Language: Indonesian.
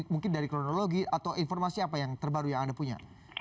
mungkin dari kronologi atau informasi apa yang terbaru yang anda punya